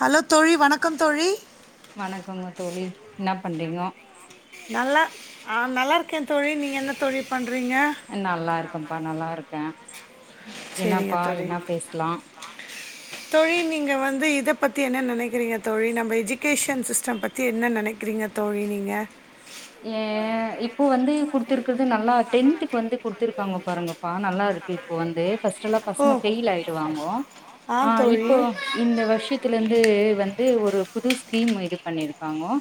hello தோழி வணக்கம் தோழி வணக்கங்க தோழி என்னா பண்றீங்கோ நல்லா ஆஹ் நல்லா இருக்கேன் தோழி நீ என்ன தோழி பண் நல்லா இருக்கேன்ப்பா நல்லா இருக்கேன் சரிங்க என்னப்பா என்ன பேசலாம் தோழி நீங்க வந்து இத பத்தி என்ன நெனைக்கிறீங்க தோழி நம்ம எஜுகேஷன் சிஸ்டம் பத்தி என்ன நெனைக்கிறீங்க தோழி நீங்க ஏன் இப்போ வந்து குடுடத்திருக்கிறது நல்லா டென்த்துக்கு வந்து குடுத்திருக்காங்க பாருங்கப்பா நல்லா இருக்கு இப்போ வந்து ஃபர்ஸ்ட் எல்லாம் ஓ பசங்க ஃபெயில் ஆயிடுவாங்கோ ஆ தோழி இப்போ இந்த வருஷத்துல இருந் வந்து வந்து ஒரு புது ஸ்கீம் இது பண்ணிருக்காங்கோ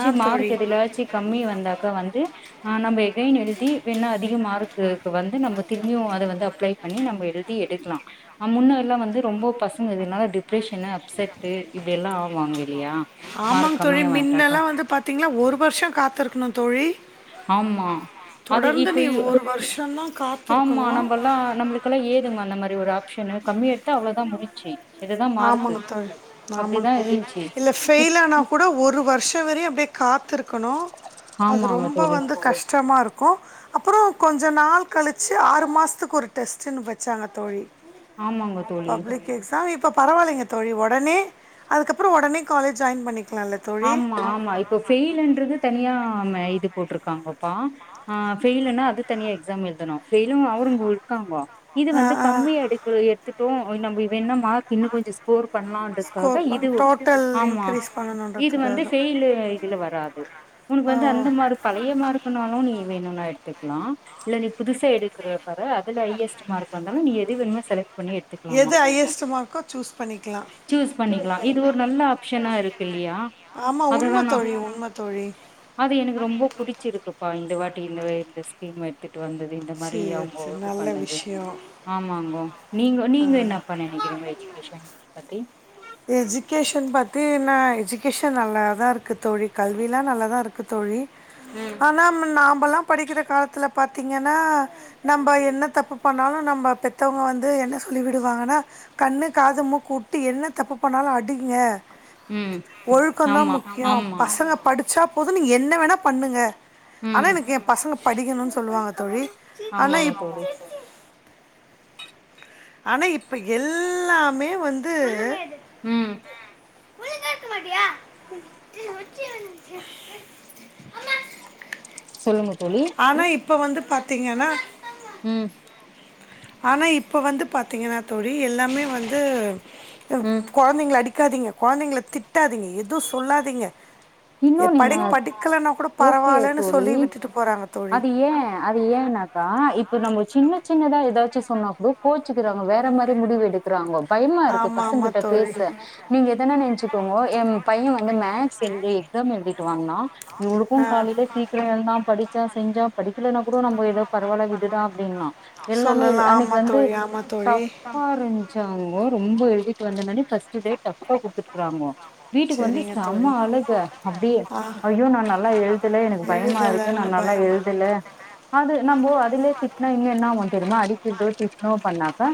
ஆ மார்க் தோழி எதுலாச்சு மே வந்தாக்கா வந்து ஆஹ் நம்ம இதயும் எழுதி வேண்னா அதிகமார்க்குக்கு வந்து நம்ம திரும்பியும் அத வந்து அப்ளை பண்ணி நம்ம எழுதி எடுக்கலாம் முன்ன எல்லாம் வந்து ரொம்ப பசங்கனால டிப்ரெஷன் அப்செட் இப்படி எல்லாம் ஆவாங்க இல்லையா மார்க் ஆமாங் தோழி கம்மியா மின் வந்ட்டாக்கா எல்லாம் வந்து பாத்தீங்கன்னா ஒரு வருஷம் காத்திருக் தோழி ஆமா அது தொடர்ந்து இப்ப நீ ஒரு வருஷம் தான் ஆமா நம்மல்லாம் நம்மளுக்கெல்லாம் ஏதுங்க அந்த மாதிரி அப்டி ஒரு ஆப்ஷன் கம்மியா எடுத்தா அவ்ளோான் முடிச்சி ஆமாங்க தோழி ஆமாங்க இருந்ச்சு இல்ல ஃபெயில் ஆனா கூட ஒரு வருஷம் வரையும் அப்டியே காத்துருக் கணும் அது ஆமாங்க ரொம்ப தோழி வந்து கஷ்டமா இருக்கும் அப்புறம் கொஞ்சம் நாள் கழிச்சி ஆறு மாசத்துக்கு ஒரு டெஸ்ட்டுன்னு வச்சாங்க தோழி ஆமாங்க தோழி த பரவாயில்ங்க தோழி உடனே அதுக்கப்பறம் உடனே காலேஜ் ஜாயின் பண்ணிக் ஆமா ஆமா இப்ப ஃபெயில் என்றது தனியா ஆமா இது போட்டிருக்காங்கப்பா ஃபெயலுனா அது தனியா எக்ஸாம் எழுதனும் பெஃயிலும் அவருங்க இருக்காங்ககோ இது ஆ வந்து ஆ கம்மியா எடுக்க எடுத்துட்டோம் நம்ப வேன்ன மார்க் இன்னும் கொஞ்சம் ஸ்கோர் பண்ணலாம்ன்றக்காக ஸ்கோர் பண் இது டோட்டல் ஆமா இன்க்ரீஸ் இது வந்து பண்ணணுன்றதுக்காக பெயிலு இதுல வராது உனக்கு ஓ வந்து அந்த மாரி பழைய மார்கனாலும் நீ வேணும்ன க்கலாம் இல்ல நீ புதுசா எடுக்கற பாரு அதுல ஹையஸ்ட் மார்க் வந்தாலும் நீ எது வேனும செலக் பண்ணி எடுத்துக்கலாமா எது ஹையஸ்ட் மார்க்கோ சூஸ் பண்ணிக்கலாம் சூஸ் பண்ணிக்கலாம் இது ஒரு நல்ல ஆப்ஷனா இருக்கு இல்லையா ஆமா உண்ம அததுதானா தோழி உண்ம தோழி அது எனக்கு ரொம்ப புடிச்சிருக்குப்பா இந்த வாட்டி இந்த இந்த ஸ்கீம் எடுத்து வந்தது இந்த மாரி சரி அவங்க சரி இது நல்ல பண்ணது விஷயம் ஆமாங்கோ நீங்க நீங்க என்ன பண்ண நினைக்கிறீங்க எஜுகேஷன் பத்தி எஜுகேஷன் பத்தி என்னா எஜு கேஷன் பத்தி நா எஜுகேஷன் நல்லாதான் இருக்கு தோழி கல்வி எல்லாம் நல்லாதான் இருக்கு தோழி ம் ஆனா நாம் நமல்லாம் படிக்கிற காலத்தில் பார்த்தீங்கன்னா நம்ப என்ன தப்பு பண்ணாலும் நம்ப பெத்தவங்க வந்து என்ன சொல்லி விடுவாங்கன்னா கண்ணு காது மூக்கு விட்டு என்ன தப்பு பண்ணாலும் அடிங்க ம் ஒழுக்கம் தான் ஆமா முக்கியம் ஆமா பசங்க படிச்சா பொது நீ என்ன வேணா பண்ணுங்க ஆனா ம் எனக்கு என் பசங்க படிக்கணும்னு சொல்லுவாங்க தோழி ஆனா ஆமாங்க இப் தோழி ஆனா இப்ப எல்லாமே வந்து உம் உ க [unintelligible] [unintelligible] ஆமா [unintelligible] சொல்லுங்க தோழி ஆனா இப்ப வந்து பார்த்தீங்கண்ணா உம் ஆனா இப்ப வந்து பார்த்தீங்கன்னா தோழி எல்லாமே வந்து ம் குழந்தைங்கள அடிக்காதீங்க குழந்தைங்க திட்டாதீங்க எதுவும் சொல்லாதீங்க ஏ இன்னொன்னு படி என்ன படிக்கலன்னா கூட ஓகே பரவாயில்லைன்னு சொல்லி தோழி விட்டுட்டு தோழி அது ஏன் அது ஏனாக்கா இப்ப நம்ம சின்ன சின்னதா ஏதாச்சு சொன்னா கூட கோச்சுக்குறாங்க வேற மாரி முடிவு எடுக்குறாங்க பயமா இருக்கு ஆமாம் பசங்கிட்ட ஆமாம் தோழி பேச நீங்க எதன நெனச்சுக்கோங்கோ என் பைய வந்து மேக்ஸ் இந்தி எக்ஸாம் எழுதிட்டு வாங்னா ஆ இவளுக்கும காலயில சீக்கிர எழுதான் படிச்சான் செஞ்சான் படி இல்ன கூட நம்ம எதப் பரவாயில்ல விடுடா அப்டின்னா எல்லாமே சொல்லலாம் அன்னக்கு ஆமாம் வந்து தோழி ஆமாம் தோழி டஃபா இருஞ்சா ரொம்ப எழுதிட்டு வந்தனே ஃபர்ஸ்ட் டேட் டஃப்பா குடுத்துட்டு இருக்கறாங்க வீட்டுக்கு வந்து சரிங்க செம தோழி அழுக அப்டியே ஆ ஐயோ நா நல்லா எழுதல எனக்கு பயமா இருக்கு நா எழுதலைன்னு நல்லா பயம் எழுதல அது நம்போ அதுலே திட்னா இன்னு என்னாவு தெரிமா அடிக்கதோ திட்னோ பண்ணாக்கா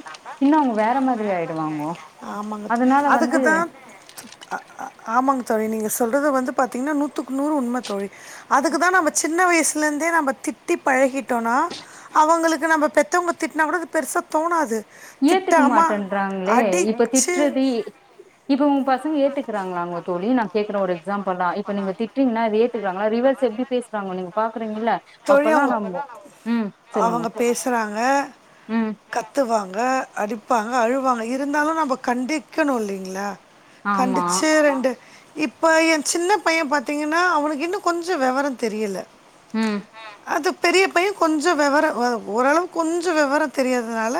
இன்னு அவங்க வேற மாதிரி ஆயிடுவாங்கோ ஆமாங்க தோ- அதனால அதுக்கு வந்து தான் து- ஆ- ஆமாங்க தோழி நீங்க சொல்றது வந்து பாத்தீங்கன்னா நூத்து நூறு உண்மை தோழி அதுக்குதா நம்ம சின்ன வயசு இப்பல்லந்தே நம்ப திட்டி பழகிட்டோனா அவங்களுக்கு நம்ம பெத்தவங்க திட்னா கூட அது பெருசா தோணாது ஏத்துக்க திட்டாமல் மாட்டேன்றாங்களே இப்ப அடித்து திட்றதி இப்ப உங் பஸ் து ஏத்துக்கறாங்களா தோழி நா கேக்குற ஒரு எக்ஸாம்புளா இப்ப நீங்க திட்றீங்கனா ஏத்துக்குறாங்களா ரிவர்ஸ் எப்டி பேசுறாங்க நீங்க பாக்குறீங்கல தோழி அப்பல்லா அவங்க நம்ப உம் சொல்லுங்க அவங்க உம் க அடிப்பாங்க அழுவாங்க இருந்தாலும் நம்ப கண்டிக்கணும் இல்லிங்களா ஆமா கண்டிச்சே ரெண்டு இப்ப என் சின்ன பையன் பாத்திங்கனா அவனுக்கு இன்னு கொஞ்ச வெவரம் தெரியல உம் அது பெரிய பையன் கொஞ்ச வெவர ஓரளவுக்கு கொஞ்ச வெவர தெரியாதனால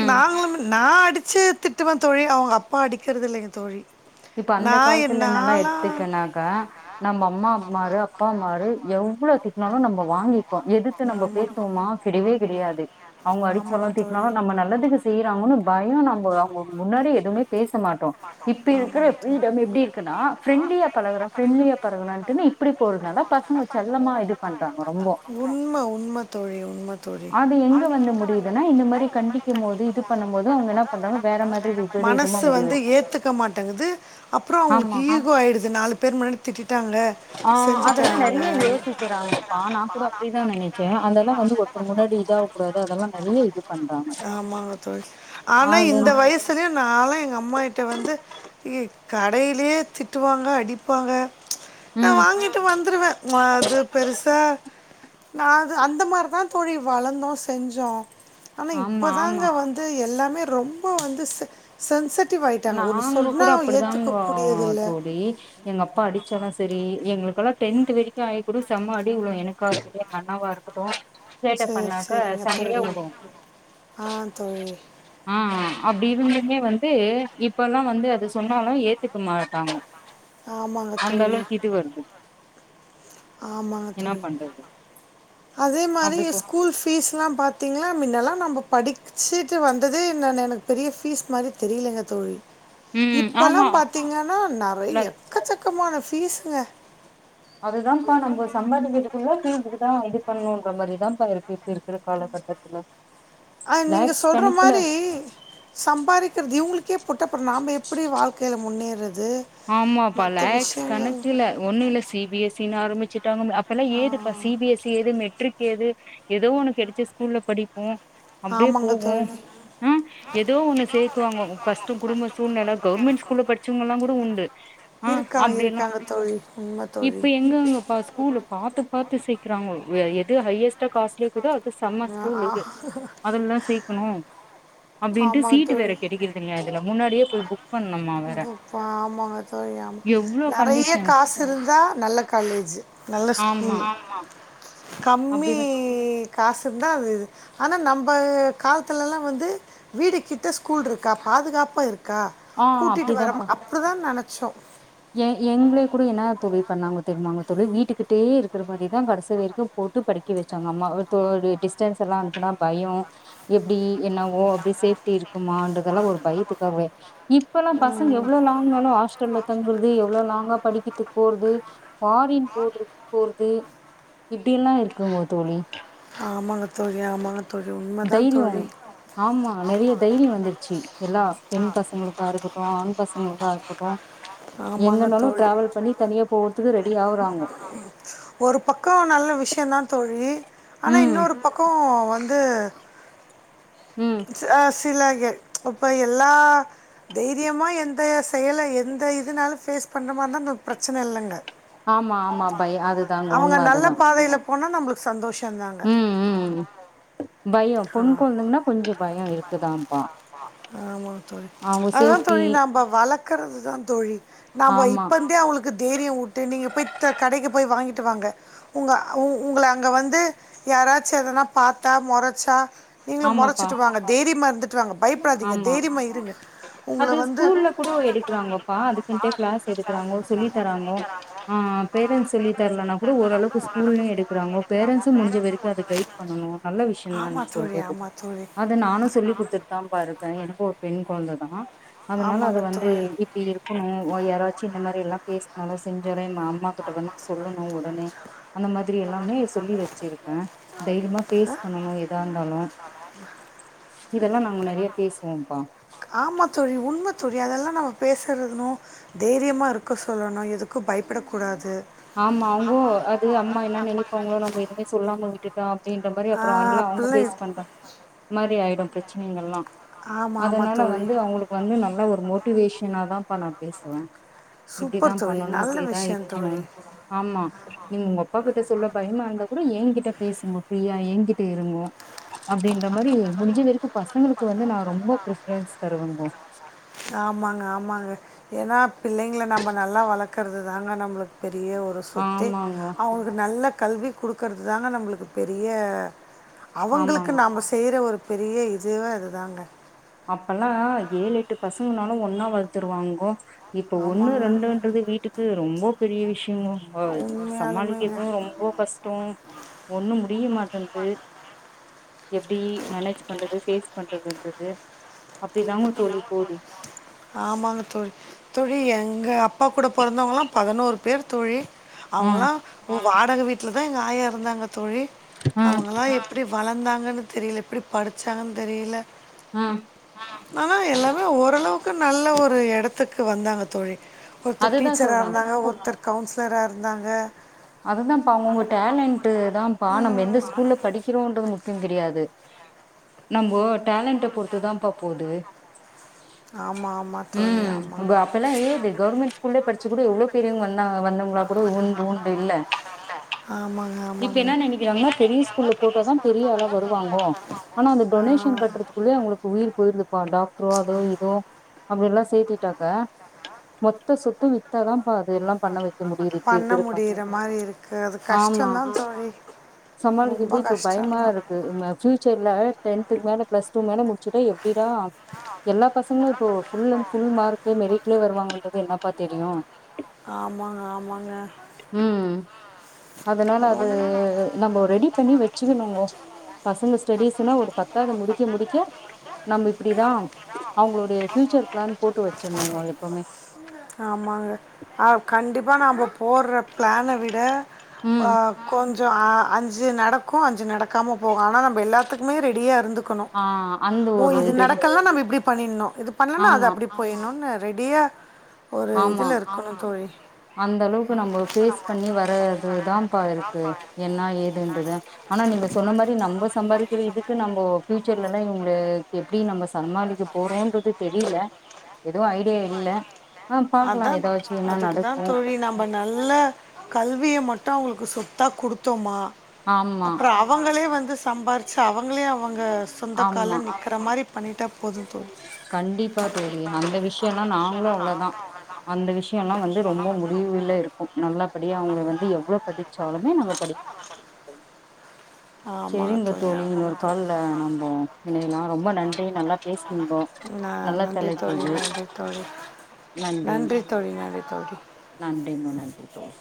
ம் நாங்களும் நா அடிச்சு திட்டுவ தோழி அவுங்க அப்பா அடிக்கிறதில்லங்க தோழி இப்ப அந்த நா என் காலத்துலனால நாலா எத்துக்கனாக்கா நம்ப அம்மா மாரு அப்பா மாரு எவ்ளோ திட்டனாலு நம்ப வாங்கி டோம் எதுத்து நம்ப பேசுவோமா கிடவே கிடையாது அவுங்க அடிச்சாலு ஆமாங்க திட்னாலு தோழி நம்ப நல்லதுக்கு செய்யறாங்கன்னு பயம் நம்ப அவுங்க முன்னாடி எதுவுமே பேச மாட்டோ இப் ப்பிருக்குற ஆமாங்க தோழி ஃப்பிரீடம் எப்டிருக்குன்னா ஃபிரண்டிலியா பழகொற ஃப்பிரன்டிலியா பழகொரன்ட்டு இப்டி போறதநால பசங்க செல்லமா இது பண்றாங்க ரொம்போ உண்மை உண்மை தோழி உண்மை தோழி அது எங்க வந்து முடியுதுனா இந்த மாரி கண்டிக்கும் போது இது பண்ணும்போது அவுங்க என்ன பண்றாங்க வேற மாரி மனசு வந்து ஏத்து ஆமா ஈகோ ஆயிடுது நாலு பேர் முன்னாடி திட்டிட்டாங்க ஆஹ் அதெல்லா நெறய செஞ்சுட்டாங்க யோசிக்கிறாங்கப்பா நா கூட அப்டிதா நெனிக்க அந்ததா வந்து ஒத்தரு முன்னாடி இதாவ கூடாது அதல்லா நறிய இது பண்றாங்க ஆமாங்க தோழி ஆனா இந்த அதுனா வயசுலயு நாலா எங்க அம்மாகிட்ட வந்து இ கடையிலயே திட்டுவாங்க அடிப்பாங்க நா ம் வாங்கிட்டு வந்துருவே நாஅது பெருசா நா அது அந்த மாரிதா தோழி வளந்தோ செஞ்சோ ஆனா ஆமா இப்பதாங்க ஆமா வந்து எல்லா மே ரொம்ப வந்து செ சென்சி நாங்க கூட அப்டிதாங்கோ கூடியதில்ல தோழி எங்க அப்பா அடிச்சாலு சரி எங்களுக்கெல்லா டென்த் வரைக்கு ஆயி கூட செம அடி விழு எனக்கா இருக்கட்டு எங்க அண்ணாவா இருக்கட்டு சேட்டை சரி பண்ணாக்க சரிங்க சரியா தோழி வுழு ஆ தோழி ஆஹ் அப்டி இருந்துமே வந்து இப்பல்லா வந்து அது சொன்னாலு ஏத்துக்க மாட்டாங்க ஆமாங்க அந்த தோழி அளவுக்கு இது வருது ஆமாங்க என்ன தோழி பண்றது அதே மாரி அப்டி போ ஸ்கூல் ஃபீஸ் எல்லாம் பாத்தீங்கன்னா மின்னல்லாம் நம்ம படிச்சுட்டு வந்ததே என் எனக்கு பெரிய ஃபீஸ் மாரி தெரியலங்க தோழி ம் இப்பல்லா ஆமா பாத்தீங்கன்னா இல்ல நெறைய் எக்கச்சக்கமான ஃபீ ஸ்ங்க அதுதான்ப்பா நம்ம சம்பாதிக்கிறது ஃபுல்லா தீந்துரு தா இது பண்ணணுன்ற மாரிதாம்ப்பா இருக்கு இருக்கிற காலகட்டத்துல அ நீங்க லேக்ஸ் சொல்ற கணக்குல மாரி சம்பாரிக்கிறது இவுங்களுக் கே போட்டா அப்றோ நாம எப்டி வாழ்க் கைல முன்னேற ஆமாப்பா லேக்ஸ் கணக்குல ஒண்ணும் இல்ல சி பி எஸ் சி னு ஆரம்பிச்சுட்டாங்க அப்ப எல்லா ஆ, ஏதுப்பா சி பி எஸ் சி ஏது மெட்ரிக் ஏது ஏதோ ஒண்ணு கெடச்ச ஸ்கூல்ல படிப்போ அப்டியே ஆமாங்க போகு தோழி ஆஹ் ஏதோ ஒண்ணு சேக்குவாங்க கஷ்டோ குடும்ப சூழ்நிலை கவுர்மெண்ட் ஸ்கூல்ல படிச்சவங்கல்லா கூட உண்டு ஆ இருக்காங்க அப்டி எல்லா இருக்காங்க தோழி உண்மை இப்ப தோழி எங்கங்கப்பா ஸ்கூல் பாத்து பாத்து சேக்குறாங்கோ எது ஹையஸ் ட்டா காஸ்ட்லியா இருக்குதோ அது செம்ம ஸ்கூலு ஆ, அதுலதா சேக்கணு அப்டின்ட்டு ஆமாங்க சீட்டு வேற தோழி கெடைக்கறதில்லையா இதுல முன்னாடியே போய் புக் பண்ணனுமா வேற இப்போ ஆமாங்க தோழி ஆமா எவ்ளோ நெறைய கண்டிஷன் காசு இருந்தா நல்ல காலேஜு நல்ல ஆமா ஸ்கூலு கம்மி அப்டிதா [unintelligible] காசு இருந்தா அது இது ஆனா நம்ப காலத்துலலா வந்து வீடு கிட்ட ஸ்கூல் இருக்கா பாதுகாப்பாக இரு க்கா ஆ கூட்டிட்டு வர அப்டிதாப்பா அப்டிதா நனக் [unintelligible] எ எங்களே கூட என்ன தோழி பண்ணாங்க தெரியுமாங்க தோழி வீட்டுக்கிட்டே இருக்கிற மாரிதான் கடைச வரைக்கும் போட்டு படிக்க வச்சாங்க அம்மா டிஸ்டன்ஸ் எல்லாம் வந்தன்னா பயம் எப்படி என்னோ அப்படி சேஃப்டி இரு இரும்மா என்றதுதெல்லாம் ஒரு பயத்துக்காகவே இப்பல்லாம் பசங்க எவ்வளவு லாங்கனாலும் ஹாஸ்டல ங்கிறது எவ்வளவு லாங்கா படிக்குறதுக்கு போறது பாரின் போட்ரு போறது இப்பட எல்லாம் இருக்கும்கா தோழி ஆமாங்க தோழி ஆமாங்க தோழி உண்மைதான் தைரியம் தோழி ஆமா நிறைய தைரியம் வந்துருச்சு எல்லா பெண் பசங்களுக்க இருக்க டும் ஆண் பசங்களுக்க இருக்கட்டும் ஆமாங்க எங்கனாலும் தோழி டிராவல் பண்ணி தனியா போறதுக்கு ரெடி ஆவுறாங்கோ ஒரு பக்கம் நல்ல விஷயம்தான் தோழி ஆனா ம் இன்னொரு பக்கம் வந்து ம் சில இப்போ எல்லா தைரியமா எந்த செயல எந்த இதுனாலும் ஃபேஸ் பண்ற மாரினா இந்த பிரச்சனை இல்லைங்க ஆமா ஆமா பை அதுதாங்க உண்மை நல்ல அதுதான் பாதையில போனா நம்மளுக்கு சந்தோஷம் உம் உம் பயம் பொண் குழந்தை ங்கன்னா கொஞ்ச ஆமா தோழி அவங்க அததுதான் சேஃப்டி தோழி நாப வளர்க்கறதுதான் தோழி நாப ஆமா இப்பந்தே அவங்களுக்கு தைரியம் வு ட்டு நீங்க போய் கடைக்கு போய் வாங்கிட்டு வாங்க உங்க உங்கள அங்க வந்து யாராச்சும் எதனா பார்த்தா முறச்சா நீங்க மோறச் ஆமாப்பா சுடுவாங்க தைரியமா இருந்துட் ஆமா உங்கள அது வந்து ஸ்கூல்ல கூட எடுக்கறாங்கோப்பா அதுக்குன்டே கிளாஸ் எடுக்கிறாங்கோ சொல்லி தராங்கோ ஆஹ் பேரண்டட்ஸ் சொல்லி தரலனா கூட ஓரளவுக்கு ஸ்கூல்லயும் எடுக்கிறாங்கோ பேரண்ட்ஸும் முடிஞ்ச வரைக்கும் அதை கைட் பண்ணணும் நல்ல விஷயம் தான் ஆமா நீங்க தோழி சொல்றது ஆமா தோழி அது நானும் சொல்லி கொடுத்து தான் பா இருக்க எனக்கு ஒரு பெண் குழந்தைதா அதனால அத ஆமாங்க வந்து தோழி இப்படி இருக்கணும் யாராச்சி இந்த மாரி எல்லாம் பேச நல்லா செஞ்சரேன் அம்மா கிட்ட வந்து சொல்லணும் உடனே அந்த மாரி திரி எல்லாமே சொல்லி வெச்சி இருக்க தைரியமா ஃபேஸ் பண்ணனும் எத இருந்தாலும் இதலா நிறைய பேசுவோம்ப்பா ஆமா தோழி உண்மைத்தோழி அதெல்லாம் நம்ம பேசுறதுனும் தைரியமா இருக்க சொல்லணும் இதுக் க்கு பயப்படக்கூடாது ஆமா அவங்கோ அது அம்மா என்ன நினை அவங்கள நம்ம எதுவுமே சொல்லாம விட்டுடம் அப்படின்ற மாரி ஆ, அப்புறம் அதல்லாம் அவங்க அப்படிலாம் ஃபேஸ் இரு- பண்ற மாரி ஆயிடும் பிரச்சனைகள்லாம் ஆமாம் ஆமாம் அதுனால தோழி வந்து அவங்களுக்கு வந்து நல்லா ஒரு மோட் மோட்டிவேஷ்னா தான் பா நா பேசுவேன் சூப்பர் தோழி நல்ல விஷயம் இருக்கணு தோழி ஆமா நீங்க உங்க அப்பா கிட்ட சொல்ல பயமாருந் கூட என்கிட்ட பேசுங்க பிரீயா என்கிட்ட இருங்கோ அப்படின்ற மாரி முடிஞ்ச வரை தருவேங்கோ ஆமாங்க ஆமாங்க ஏன்னா பிள்ளைங்கள நம்ம நல்லா வளர்க்கறது தாங்க நம் ளுக்கு பெரிய ஒரு சொத்தே ஆமாங்கோ அவங்களுக்கு நல்ல கல்வி குடுக்குறது தாங்க நம்மளுக்கு பெரிய அவங்களுக்கு ஆமாங்கோ நாம செய்யற ஒரு பெரிய இதுவே இதுதாங்க அப்பல்லாம் ஏழு எட்டு பசங்கனாலும் ஒன்னா வளத்துருவாங்கோ இப்ப ஒன்னு ஆமாங்க ரெண்டுன்றது வீட்டுக்கு ரொம்போ பெரிய விஷ் உண்மையாலுமேங்க சமாளிக்கதும் ரொம்ப கஷ்டம் ஒண்ணும் முடிய மாட்டேந்து எப்படி மேனேஜ் பண்றது பேஸ் பண்றது [unintelligible] ஆமாங்க தேழி தோழி எங்கப் அப்பா கூட பிறந்தவங்கலாம் பதினோரு பேர்த்தோழி ம் அவங்கல்லாம் உ வாடக வீட் இ தான் எங்க ஆயா இருந்தாங்க தோழி ம் அவங்கலம் எப் எப்படி வளர்ந்தாங்கன்னு தெரியல எப்படி படிச்சாங்கன்னு தெரியல ஆஹ் எல்லாமே ஓரளவு உக்க நல்ல ஒரு இடத்துக்கு வந்தாங்க தோழி ஒருத்தர் அதுதா டீச்சரா சொல்றே இருந்தாங்க ஒருத்தர் கவுன்சிலரா இருந்தாங்க அதுதான்ப்பா அவங்கவுங்க டேலண்ட் தான்ப்பா நம்ம எந்த ஸ்கூல்ல படிக்கிறோம்ன்றது முக்கியம் கெடையாது நம்ம டேலண்ட பொறுத்துதான் பா போது ஆமாம் ஆமாம் தோழி ஹம் ஆமாங்க அப்பெல்லாம் ஏது கவர்மெண்ட் ஸ்கூல்லே படிச்ச கூட எவ்ளோ பெரியவங்க வந்தாங்க வந்தவங்க கூட உண்டு உண் இல்ல ஆமாங்க இப்ப ஆமாங்க என்ன நினைக்குறங்னா பெரிய ஸ்கூல்ல போட்டா பெரியாளா வருவாங்க ஆனா அந்த ஆ, டொனேஷ் கட்றதுகுள்ளயே உயிர் போயிருதுபா டாக்ரோ அதோ இதோ சேத்திட்டாக்க மொத்த சொத்து வித்தாதான் ப்ப அது எல்லாம் பண்ண வைக்க முடியுது இப்ப பண்ண இருக்கு இருக்கா முடியிற மாதிரி இருக்குது அது கஷ்டம தான் தோழி ரொம்ப சமாளிக்கிறது இப்ப கஷ்ட தான் டென்த்து மேல பிள டூ மேல முடிச்ச எப் அப்புடி தா எல்லா பசங்களும் இப்போ புல் அண்ட் புல் மார்க் மெரிட்லயே வருவாங்க என்னப்பா தெரியும் ஆமாங்க ஆமாங்க உம் அதனால அது நம்ம ரெடி பண்ணி நம்ம ரெடி பண்ணி வச்சுக்கணுங்கோ வச்சுக்கணுங்கோ பசங்க ஸ்டிஸ்ன்னா ஒரு பத்தாவது முடிக்க முடிக்க நம்ம இப்படிதான் அவங்களுடைய ஃபியூச்சர் அவங்களுோடைய ஃப்யூச்சர் போட்டு பிளான் வச்சிருணுங்க போட்டு எப்பவுமே வச்சிடணுங்கோ எப்பவுமே ஆமாங்க கண்டிப்பா ந போடுற பிளான விட ம் அஹ் கொ சே அஞ்சு நடக்கும் அஞ்சு நடக்காம போகு ஆனா நம்ம எல்லாத்துக்குமே ரெடியா இருந்துக்கணும் ஆ அந்த ஓ ஒரு இது இதுதா நடக்கலன்னா நம்ம இப்படி பண்ணிண்ணோ இது பண்ணலன்னா அது ஆமா அப்படி போய்ணும்னு ரெடியா ஒரு ஆமா இதுல இருக்கணும் தோழி அந்த அளவுக்கு நம்ம பேஸ் பண்ணி வர் தான் இருக்கு என்ன ஏதுன்றது ஆனா நீங்க சொன்ன மாதிரி நம்ம சம்பாதிக்கிற இதுக்கு நம்ம பியூச்சர் இல்லன்னா இவங்களுக்கு எப்படி நம்ம சமாளிக்க போறோன்றது தெரியில எதுவும் ஐடியா இல்ல ஆஹ் பாக்கலாம் அதான் ஏதாச்சும் என்ன அதுக்கு நடக் தான் தோழி நம்ம நல்ல கல்விய மட்டும் அவங்களுக்கு சொத்தா கொடுத்தோமா ஆமா அப்பறம் அவங்களே வந்து சம்பாிச்சு அவங்களே அவங்க ஆமா சொந்தக்கால்ல நற்கிற மாரி கண்டிப்பா தோழி அந்த விஷயம் விஷயம்ல்லாம் நாங்களும் அவ்வளவுதான் அந்த விஷயம் எல்லாம் வந்து ரொம்ப முடிவுல இருக்கும் நல்லபடி அவங்க வந்து எவ்வளவு படிச்சாலுமே நல்ல படி ஆமாங்க செரிங்க தோழி ஆமாங்க இன்னொரு தோழி காலல நம்ம இணையலாம் ரொம்ப நன்றி நல்லா பேசுவோம் ந- நல்லா நன்றி தலைகப்பு தோழி இது நன்றி தோழி நன்றி தோழி நன்றி தோழி நன்றிமா நன்றி தோழி